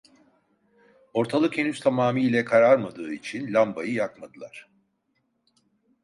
Ortalık henüz tamamıyla kararmadığı için lambayı yakmadılar.